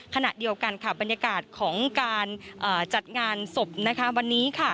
ขณะเดียวกันค่ะบรรยากาศของการจัดงานศพวันนี้